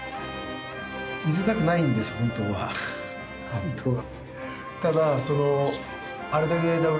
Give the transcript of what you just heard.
本当は。